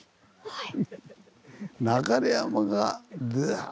はい。